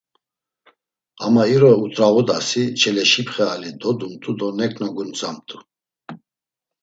Ama iro ut̆rağudasi Çeleşipxe ali dodumt̆u do neǩna guntzamt̆u.